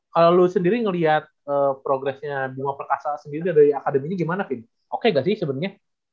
kalau lu sendiri ngelihat progressnya bima perkasa sendiri dari akademinya gimana fin oke gak sih sebenarnya